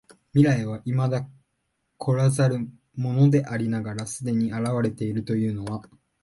未来は未だ来らざるものでありながら既に現れているというのは、